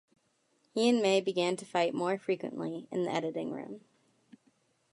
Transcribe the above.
He and May began to fight more frequently in the editing room.